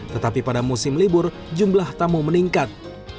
tetapi pada musim libur jumlah tamu meningkat